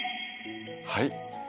はい。